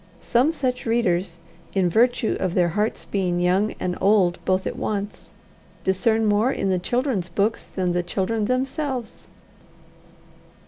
Some such readers, in virtue of their hearts being young and old both at once, discern more in the children's books than the children themselves.